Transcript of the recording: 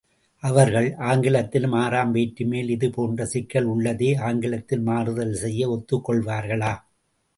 அவர்கள், ஆங்கிலத்திலும் ஆறாம் வேற்றுமையில் இது போன்ற சிக்கல் உள்ளதே ஆங்கிலத்தில் மாறுதல் செய்ய ஒத்துக்கொள்வார்களா?